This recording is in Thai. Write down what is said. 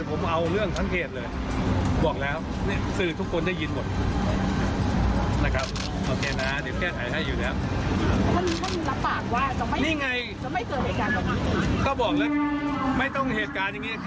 แค่ตอกสะปูอันเดียวผมย้ายหมดทั้งเขตเลย